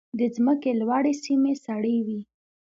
د ځمکې لوړې سیمې سړې وي.